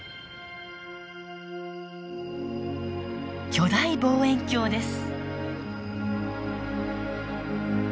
巨大望遠鏡です。